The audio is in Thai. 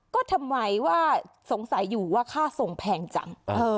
ก็ทำไมว่าสงสัยอยู่ว่าค่าส่งแพงจัง